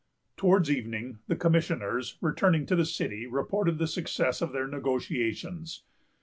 Towards evening, the commissioners, returning to the city, reported the success of their negotiations.